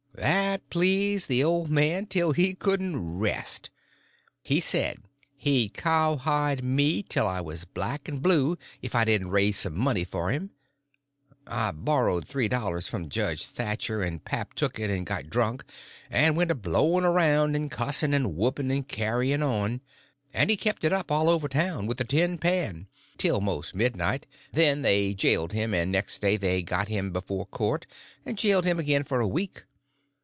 That pleased the old man till he couldn't rest. He said he'd cowhide me till I was black and blue if I didn't raise some money for him. I borrowed three dollars from Judge Thatcher, and pap took it and got drunk, and went a blowing around and cussing and whooping and carrying on; and he kept it up all over town, with a tin pan, till most midnight; then they jailed him, and next day they had him before court, and jailed him again for a week.